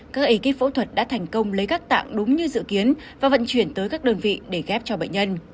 các ekip phẫu thuật đã thành công lấy các tạng đúng như dự kiến và vận chuyển tới các đơn vị để ghép cho bệnh nhân